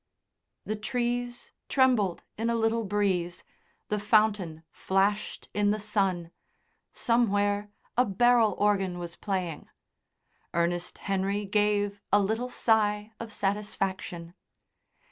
The trees trembled in a little breeze, the fountain flashed in the sun, somewhere a barrel organ was playing.... Ernest Henry gave a little sigh, of satisfaction.